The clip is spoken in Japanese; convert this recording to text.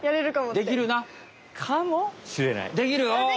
できるお！